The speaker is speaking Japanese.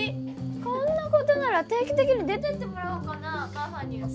こんな事なら定期的に出てってもらおうかなママに。